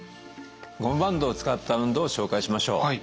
ゴムバンドを使った運動を紹介しましょう。